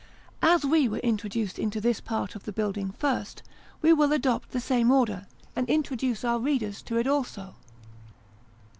As we were introduced into this part of the building first, we will adopt the same order, and introduce our readers to it also.